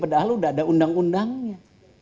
lalu udah ada undang undangnya